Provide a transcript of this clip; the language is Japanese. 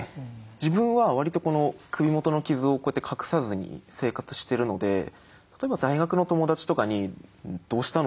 自分は割とこの首元の傷をこうやって隠さずに生活してるので例えば大学の友達とかに「どうしたの？